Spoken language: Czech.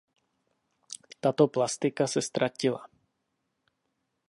Tato plastika se ztratila.